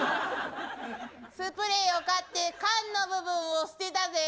スプレーを買って缶の部分を捨てたぜぇ。